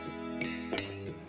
kamu tau gak